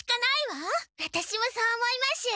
ワタシもそう思います！